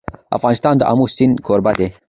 افغانستان د آمو سیند کوربه دی.